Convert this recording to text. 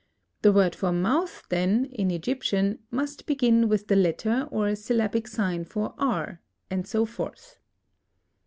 The word for mouth, then, in Egyptian must begin with the letter or syllabic sign for R, and so forth.